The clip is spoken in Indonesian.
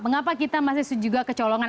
mengapa kita masih juga kecolongan